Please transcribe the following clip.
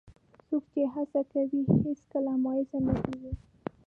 څوک چې هڅه کوي، هیڅکله مایوس نه کېږي.